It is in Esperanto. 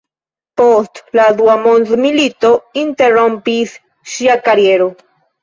Post la dua mondmilito interrompis ŝia kariero.